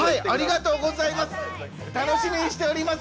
楽しみにしております。